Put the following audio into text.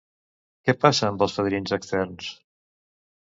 Què passa amb els fadrins externs?